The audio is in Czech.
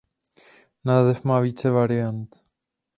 Název má více variant.